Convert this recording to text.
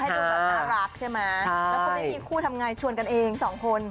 แล้วคุณไม่มีคู่ทำไงชวนกันเอง๒คน